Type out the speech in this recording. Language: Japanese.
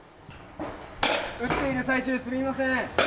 打っている最中すみません。